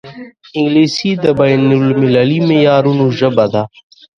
انګلیسي د بین المللي معیارونو ژبه ده